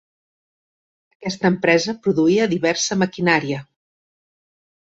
Aquesta empresa produïa diversa maquinària.